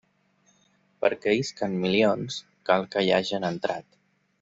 Perquè isquen milions cal que hi hagen entrat.